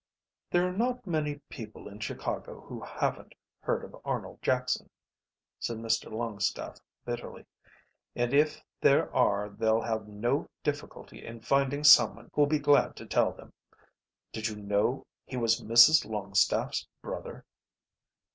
"There are not many people in Chicago who haven't heard of Arnold Jackson," said Mr Longstaffe bitterly, "and if there are they'll have no difficulty in finding someone who'll be glad to tell them. Did you know he was Mrs Longstaffe's brother?"